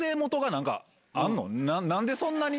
何でそんなに？